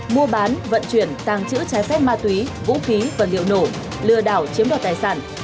mua bán vận chuyển tàng trữ trái phép ma túy vũ khí vật liệu nổ lừa đảo chiếm đoạt tài sản